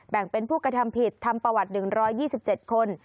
เป็นผู้กระทำผิดทำประวัติ๑๒๗คน